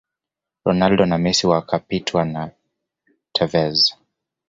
ronaldo na Messi wakapitwa na Tevez